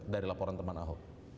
dari laporan teman ahok